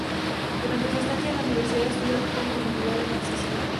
Durante su estancia en la universidad estudia con profundidad el marxismo.